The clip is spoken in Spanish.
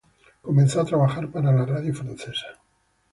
Comenzó a trabajar para la radio francesa.